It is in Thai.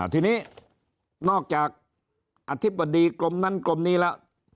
ทีนี้นอกจากอธิบดีกรมนั้นกรมนี้แล้ว